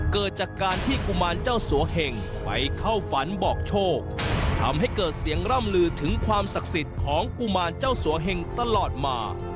เกิดจากการที่กุมารเจ้าสัวเหงไปเข้าฝันบอกโชคทำให้เกิดเสียงร่ำลือถึงความศักดิ์สิทธิ์ของกุมารเจ้าสัวเหงตลอดมา